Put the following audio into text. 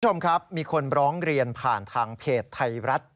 คุณผู้ชมครับมีคนร้องเรียนผ่านทางเพจไทยรัฐ